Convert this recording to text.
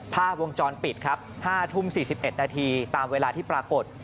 ภาพวงจรปิดครับ๕ทุ่ม๔๑นาทีตามเวลาที่ปรากฏ